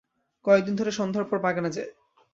কয়েক দিন ধরে সন্ধ্যার পর বাগানে যায়।